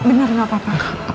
bener gak apa apa